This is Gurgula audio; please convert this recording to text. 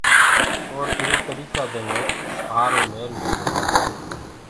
اور اِرو تريڪآ دي مي سآري ميٚل گُمرو۔